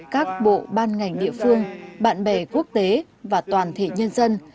các bộ ban ngành địa phương bạn bè quốc tế và toàn thể nhân dân